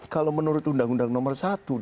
kalau menurut undang undang nomor satu